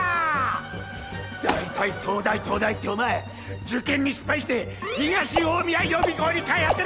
大体東大東大ってお前受験に失敗して東大宮予備校に通ってるだけだろ！